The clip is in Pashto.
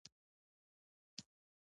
ازادي راډیو د ترانسپورټ بدلونونه څارلي.